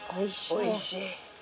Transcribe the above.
おいしい。